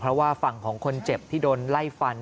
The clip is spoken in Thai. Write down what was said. เพราะว่าฝั่งของคนเจ็บที่โดนไล่ฟัน